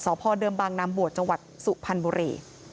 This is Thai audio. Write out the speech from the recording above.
สดเดิมบ๊างค์นามบวชจาวัดสุพพันธ์บุเร